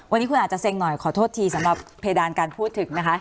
วันนี้คุณอาจจะเซ็งหน่อยขอโทษทีสำหรับเพดานการพูดถึงนะคะ